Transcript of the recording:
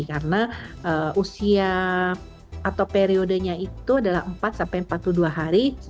karena usia atau periodenya itu adalah empat sampai empat puluh dua hari